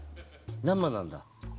生なんだ。